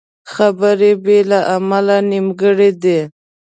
خبرې بې له عمله نیمګړې دي